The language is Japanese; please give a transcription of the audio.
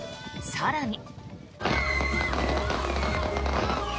更に。